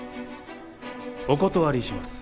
お断りします。